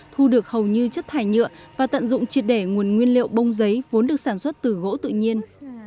thu được hầu như chất thải nhựa và tận dụng triệt để nguồn nguyên liệu bông giấy vốn được sản xuất từ gỗ tự nhiên